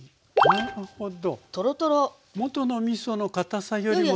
なるほど。